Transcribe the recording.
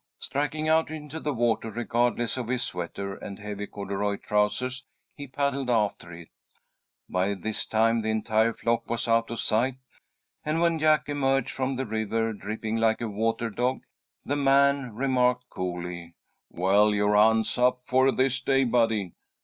Striking out into the water regardless of his sweater and heavy corduroy trousers, he paddled after it. By this time the entire flock was out of sight, and when Jack emerged from the river dripping like a water dog, the man remarked, coolly: "Well, your hunt's up for this day, Buddy.